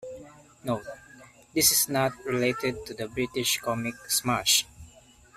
"Note" - This is not related to the British comic "Smash!